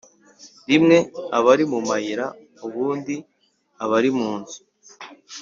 Rimwe aba ari mu mayira ubundi aba ari munzu